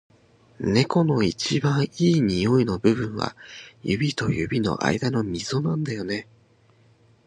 猫の一番いい匂いの部位は、指と指の間のみぞなんだよね。